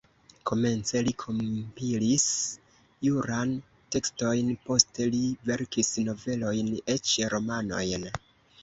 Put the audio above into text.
Komence li kompilis jurajn tekstojn, poste li verkis novelojn, eĉ romanojn.